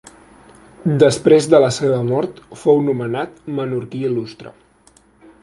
Després de la seva mort fou nomenat Menorquí Il·lustre.